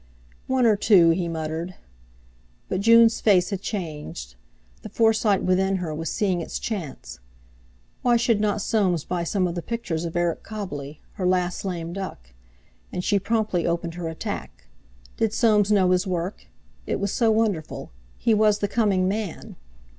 "One or two," he muttered. But June's face had changed; the Forsyte within her was seeing its chance. Why should not Soames buy some of the pictures of Eric Cobbley—her last lame duck? And she promptly opened her attack: Did Soames know his work? It was so wonderful. He was the coming man.